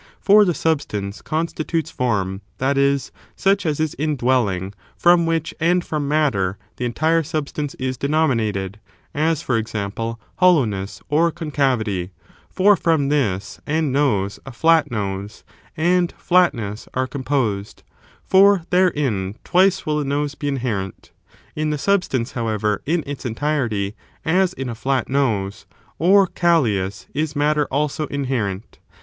For the substance constitutes form, that is, such as is indwelling, from which and from matter the entire sub stance is denominated; as, for example, hoUowness or concavity : for from this and nose a fiat nose, and flatness, are composed, for therein twice will the nose be inherent. In the substance, however, in its entirety, as in a flat nose, or Callias, is matter also inherent.